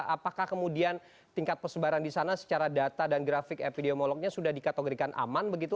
apakah kemudian tingkat persebaran di sana secara data dan grafik epidemiolognya sudah dikategorikan aman begitu